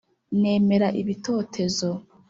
Nemera ibitotezo